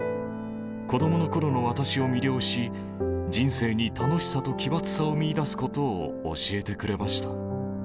子どものころの私を魅了し、人生に楽しさと奇抜さを見いだすことを教えてくれました。